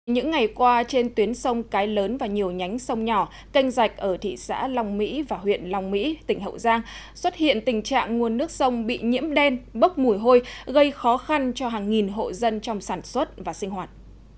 những ngày qua trên tuyến sông cái lớn và nhiều nhánh sông nhỏ canh rạch ở thị xã long mỹ và huyện long mỹ tỉnh hậu giang xuất hiện tình trạng nguồn nước sông bị nhiễm đen bốc mùi hôi gây khó khăn cho hàng nghìn hộ dân trong sản xuất và sinh hoạt